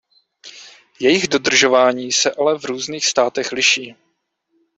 Jejich dodržování se ale v různých státech liší.